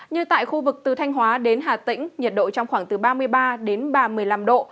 như tại khu vực từ thanh hóa đến hà tĩnh nhiệt độ trong khoảng từ ba mươi ba đến ba mươi năm độ